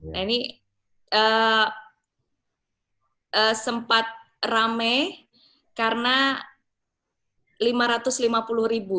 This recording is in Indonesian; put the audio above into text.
nah ini sempat rame karena lima ratus lima puluh ribu